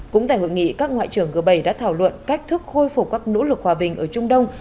cũng tại hội nghị các ngoại trưởng g bảy đã thảo luận cách thức khôi phục các nỗ lực hòa bình ở trung đông